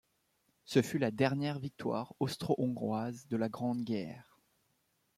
Ce fut la dernière victoire austro-hongroise de la Grande Guerre.